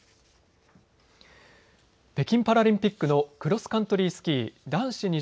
北京パラリンピックのクロスカントリースキー男子